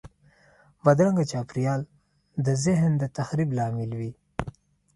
بدرنګه چاپېریال د ذهن د تخریب لامل وي